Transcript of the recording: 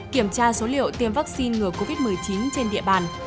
kiểm tra số liệu tiêm vaccine ngừa covid một mươi chín trên địa bàn